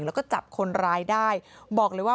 แล้วลูกอ่ะลูกมีแซว